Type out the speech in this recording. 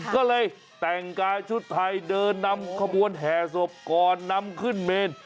ก็เลยแต่งกายชุดไทยเดินนำขบวนแห่ศพก่อนนำขึ้นเมน